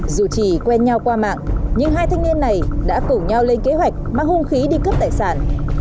dù chỉ quen nhau qua mạng nhưng hai thanh niên này đã cùng nhau lên kế hoạch mang hung khí đi cướp tài sản